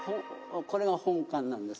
これが本館なんです。